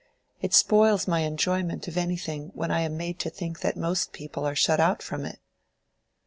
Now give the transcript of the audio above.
It spoils my enjoyment of anything when I am made to think that most people are shut out from it."